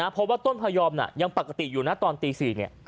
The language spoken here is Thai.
เพราะว่าต้นพยอมยังปกติอยู่นะตอนตี๔เนี่ย